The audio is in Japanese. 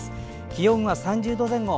気温は３０度前後。